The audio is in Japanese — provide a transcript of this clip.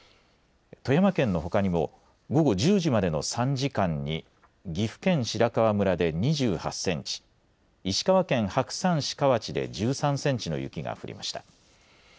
富山県のほかにも午後１０時までの３時間に岐阜県白川村で２８センチ石川県白山市河内で１３センチの雪が降りました。